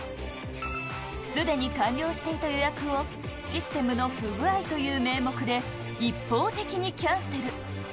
すでに完了していた予約をシステムの不具合という名目で、一方的にキャンセル。